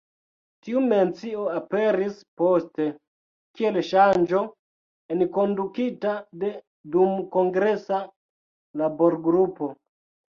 Tiu mencio aperis poste, kiel ŝanĝo enkondukita de dumkongresa laborgrupo.